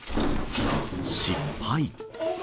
失敗。